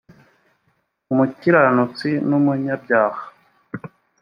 umukiranutsi numunyabyaha